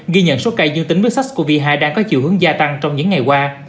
ghi nhận số ca dương tính với sars cov hai đang có chiều hướng gia tăng trong những ngày qua